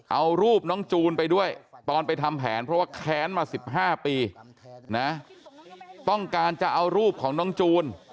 เอารูปน้องจูนไปด้วยตอนไปทำแผนเพราะว่าแค้นมา๑๕ปีนะต้องการจะเอารูปของน้องจูน